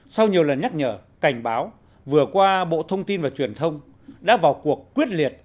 sau nhiều lần nhắc nhở cảnh báo vừa qua bộ thông tin và truyền thông đã vào cuộc quyết liệt